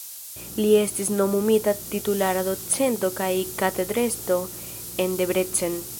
Li estis nomumita titulara docento kaj katedrestro en Debrecen.